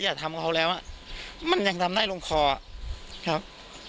อย่าทำเขาแล้วอ่ะมันยังทำได้ลงคออ่ะครับ